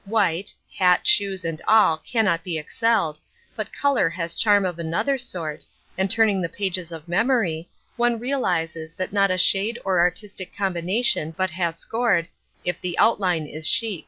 White, hat, shoes and all, cannot be excelled, but colour has charm of another sort, and turning the pages of memory, one realises that not a shade or artistic combination but has scored, if the outline is chic.